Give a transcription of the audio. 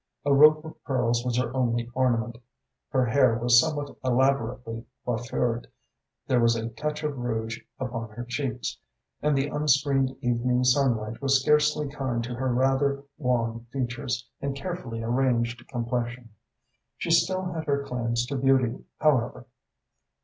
A rope of pearls was her only ornament. Her hair was somewhat elaborately coiffured, there was a touch of rouge upon her cheeks, and the unscreened evening sunlight was scarcely kind to her rather wan features and carefully arranged complexion. She still had her claims to beauty, however.